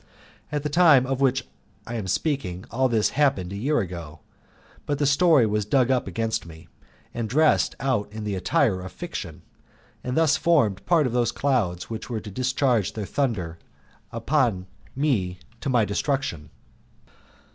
At the time of which I am speaking all this had happened a year ago, but the story was dug up against me, and dressed out in the attire of fiction, and thus formed part of those clouds which were to discharge their thunder upon me to my destruction.